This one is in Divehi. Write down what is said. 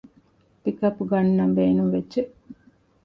ޕިކަޕް ގަންނަން ބޭނުންވެއްޖެ